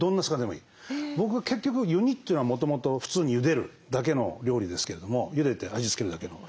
僕は結局湯煮というのはもともと普通にゆでるだけの料理ですけれどもゆでで味付けるだけの。